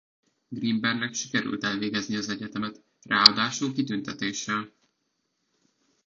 Greenbergnek sikerült elvégeznie az egyetemet ráadásul kitüntetéssel.